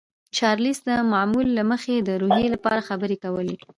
چارلیس د معمول له مخې د روحیې لپاره خبرې کولې